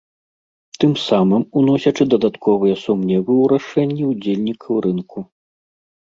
Тым самым уносячы дадатковыя сумневы ў рашэнні ўдзельнікаў рынку.